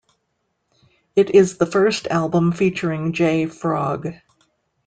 It is the first album featuring Jay Frog.